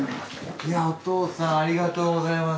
いやおとうさんありがとうございます。